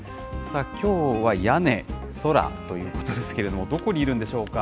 きょうは屋根、空ということですけれども、どこにいるんでしょうか。